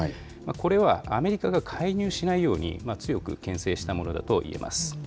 これは、アメリカが介入しないように強くけん制したものだといえます。